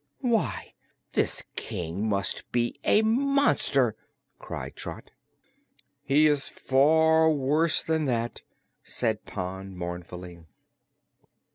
"Why, this King must be a monster!" cried Trot. "He is far worse than that," said Pon, mournfully.